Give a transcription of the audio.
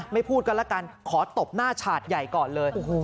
พูดกันละกันขอตบหน้าฉาดใหญ่ก่อนเลย